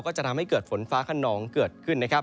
ก็จะทำให้เกิดฝนฟ้าขนองเกิดขึ้นนะครับ